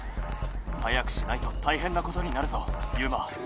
早くしないとたいへんなことになるぞユウマ。